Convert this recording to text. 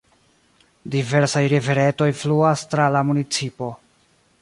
Diversaj riveretoj fluas tra la municipo.